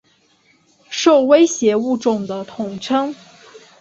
受威胁物种的统称。